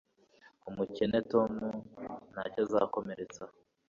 Umukene Tom ntacyo azakomeretsa.